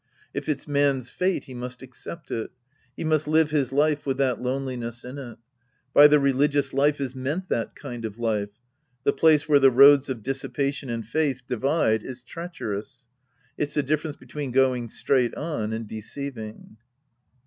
If it's man's fate, he must accept it. He must live his life with that loneJness in it. By the religious life is meant that kind of life. The place where the roads of dissipation and faith divide is treacherous. It's the difference between going straight on and deceiving.